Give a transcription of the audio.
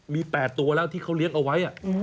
มี๘ตัวแล้วที่เขาเลี้ยงเอาไว้